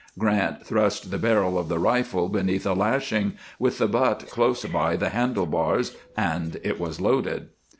Grant thrust the barrel of the rifle beneath a lashing, with the butt close by the handle bars, and it was loaded.